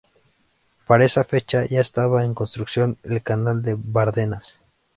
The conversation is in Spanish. Para esa fecha ya estaba en construcción el Canal de Bardenas.